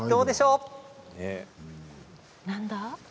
何だ？